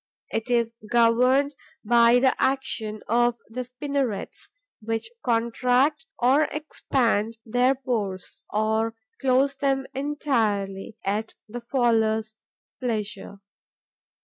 It is governed by the action of the spinnerets, which contract or expand their pores, or close them entirely, at the faller's pleasure.